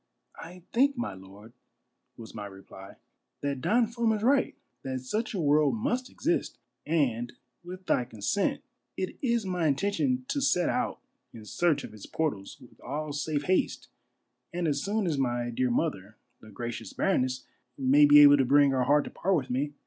"" I think, my lord," was my reply, "that Don Fum is right: that such a world must exist ; and with thy consent it is my intention to set out in search of its portals with all safe haste and as soon as my dear mother, the gracious baroness, may be able to bring her heart to part with me."